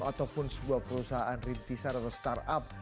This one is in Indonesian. ataupun sebuah perusahaan rintisan atau startup